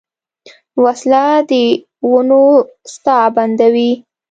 وسله د ونو ساه بندوي